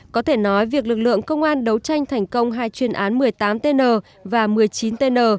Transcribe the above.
có thể nói việc lực lượng công an đấu tranh thành công hai chuyên án một mươi tám tn và một mươi chín tn